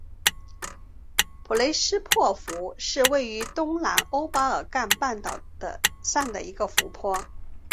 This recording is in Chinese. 普雷斯帕湖是位于东南欧巴尔干半岛上的一个湖泊。